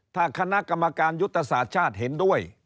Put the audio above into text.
ถ้าคณะกรรมการยุทธศาสตร์ชาติเห็นด้วย